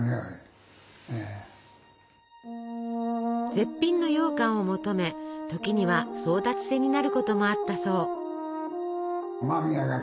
絶品のようかんを求め時には争奪戦になることもあったそう。